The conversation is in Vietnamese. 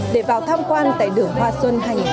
để vào tham quan tại đường hoa xuân hai nghìn hai mươi hai